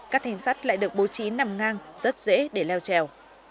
các thanh sắt lại được bố trí nằm ngang rất dễ để leo trèo